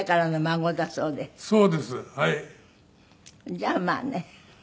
じゃあまあね。